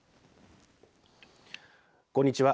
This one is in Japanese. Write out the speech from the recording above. こんにちは。